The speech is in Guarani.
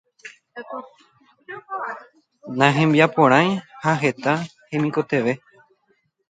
Nahembiaporãi ha heta hemikotevẽ